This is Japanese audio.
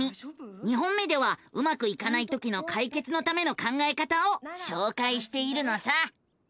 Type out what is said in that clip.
２本目ではうまくいかないときの解決のための考えた方をしょうかいしているのさ。